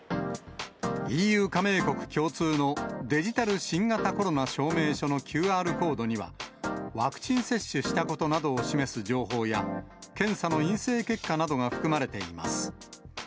ＥＵ加盟国共通のデジタル新型コロナ証明書のＱＲコードには、ワクチン接種したことなどを示す情報や、検査の陰性結果などが含まれています。